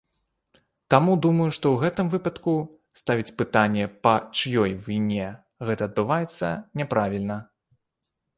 Таму думаю, што ў гэтым выпадку ставіць пытанне, па чыёй віне гэта адбываецца, няправільна.